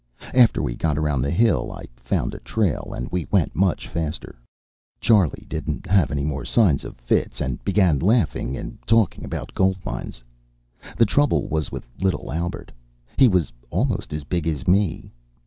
After we got around the hill, I found a trail, and we went much faster. Charley didn't have any more signs of fits, and began laughing and talking about gold mines. The trouble was with little Albert. He was almost as big as me.